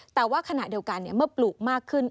แต่ว่าขณะเดียวกันเมื่อปลูกมากขึ้น